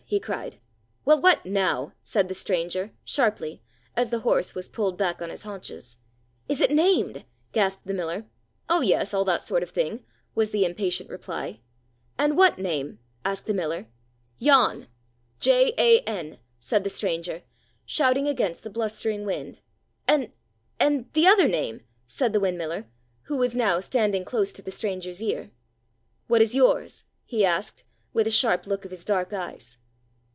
he cried. "Well, what now?" said the stranger, sharply, as the horse was pulled back on his haunches. "Is it named?" gasped the miller. "Oh, yes, all that sort of thing," was the impatient reply. "And what name?" asked the miller. "Jan. J, A, N," said the stranger, shouting against the blustering wind. "And—and—the other name?" said the windmiller, who was now standing close to the stranger's ear. "What is yours?" he asked, with a sharp look of his dark eyes.